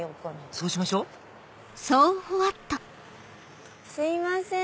そうしましょすいません